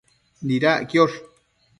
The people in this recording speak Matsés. Nidac quiosh